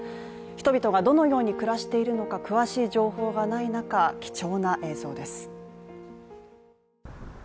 人々がどのように暮らしているのか詳しい状況がない中、貴重な映像です。